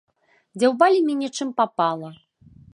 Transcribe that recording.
Дзяўбалі мяне чым папала.